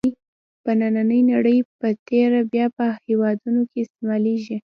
په نننۍ نړۍ په تېره بیا په هېوادونو کې استعمالېږي.